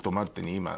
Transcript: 今。